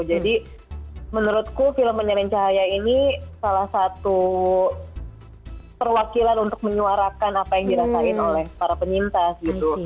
jadi menurutku film penyalin cahaya ini salah satu perwakilan untuk menyuarakan apa yang dirasain oleh para penyintas gitu